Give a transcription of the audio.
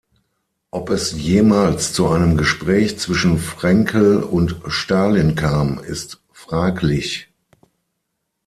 Ob es jemals zu einem Gespräch zwischen Frenkel und Stalin kam, ist fraglich.